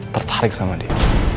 tertarik sama dia